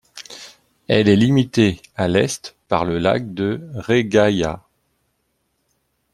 Elle est limitée à l'est par le lac de Reghaïa.